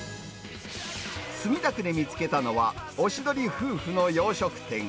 墨田区で見つけたのは、おしどり夫婦の洋食店。